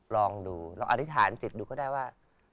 ลองดูลองอธิษฐานจิตดูก็ได้ว่า